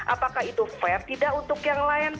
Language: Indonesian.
apakah itu fair tidak untuk yang lain